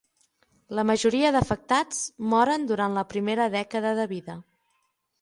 La majoria d'afectats moren durant la primera dècada de vida.